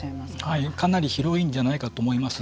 はいかなり広いんじゃないかと思います。